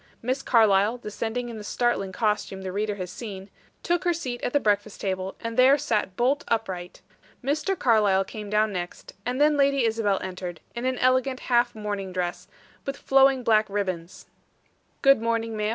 Miss Carlyle descended in the startling costume the reader has seen, took her seat at the breakfast table, and there sat bolt upright. Mr. Carlyle came down next; and then Lady Isabel entered, in an elegant half mourning dress, with flowing black ribbons. "Good morning, ma'am.